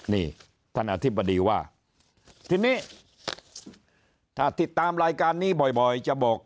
นี่ท่านอธิบดีว่าทีนี้ถ้าติดตามรายการนี้บ่อยจะบอก